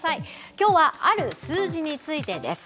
きょうはある数字についてです。